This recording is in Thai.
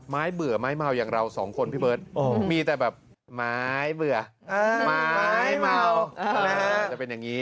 เบื่อไม้เมาอย่างเราสองคนพี่เบิร์ตมีแต่แบบไม้เบื่อไม้เมาจะเป็นอย่างนี้